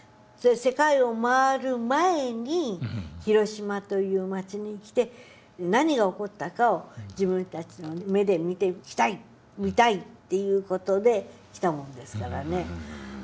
世界を回る前に広島という町に来て何が起こったかを自分たちの目で見たいっていう事で来たもんですからね。